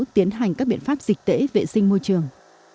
tiến hành các biện pháp dịch tễ vệ sinh môi trường